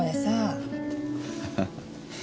ハハハハ。